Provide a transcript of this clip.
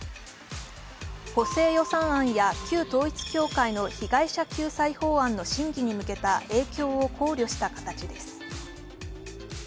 補正予算案や旧統一教会の被害者救済法案の審議に向けた影響を考慮した形です。